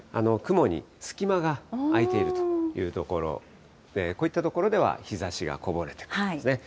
雲に隙間が空いているというところ、こういった所では日ざしがこぼれてくる。